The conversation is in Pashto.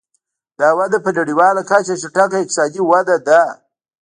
دا وده په نړیواله کچه چټکه اقتصادي وده ده.